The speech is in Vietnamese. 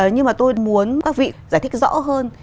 nhưng mà tôi muốn các vị giải thích rõ hơn